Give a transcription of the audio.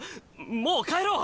もう帰ろう。